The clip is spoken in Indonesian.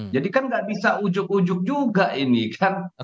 jadi kan gak bisa ujug ujug juga ini kan